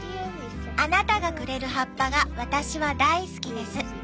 「あなたがくれる葉っぱが私は大好きです。